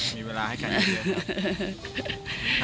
มีเวลาให้กันอย่างเดียวครับ